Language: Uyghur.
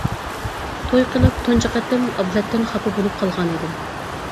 توي قىلىپ تۇنجى قېتىم ئابلەتتىن خاپا بولۇپ قالغانىدىم.